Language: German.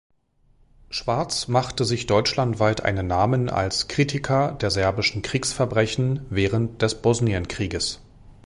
Schwarz machte sich deutschlandweit einen Namen als Kritiker der serbischen Kriegsverbrechen während des Bosnienkrieges.